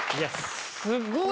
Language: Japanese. すごい。